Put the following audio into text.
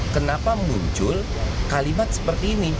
kenapa muncul kalimat seperti ini